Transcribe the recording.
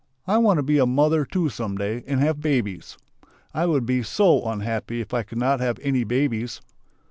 I want to be a mother, too, some day and have babies." "I would be so unhappy if I could not have any babies!"